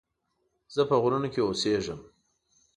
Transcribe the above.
زه په غرونو کې اوسيږم